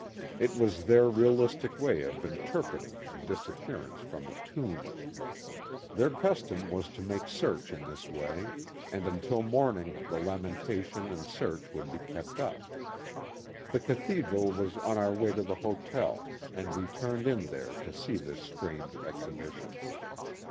It was their realistic way of interpreting the disappearance from the Tomb. A PICNIC NEAR THE EQUATOR. 71 Their custom was to make search in this way, and until morning the lamentation and search would be kept up. The Cathedral was on our way to the hotel and we turned in there to see this strange exhibition.